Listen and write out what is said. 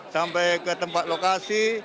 sampai ke tempat lokasi